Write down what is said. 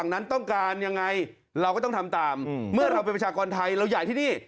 ก็ต้องเข้าใจ